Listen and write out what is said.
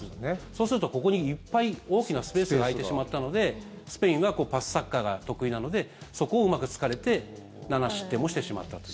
そうするとここにいっぱい大きなスペースが空いてしまったのでスペインはパスサッカーが得意なのでそこをうまく突かれて７失点もしてしまったと。